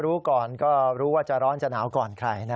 รู้ก่อนก็รู้ว่าจะร้อนจะหนาวก่อนใครนะ